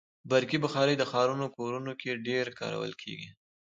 برقي بخاري د ښارونو کورونو کې ډېره کارول کېږي.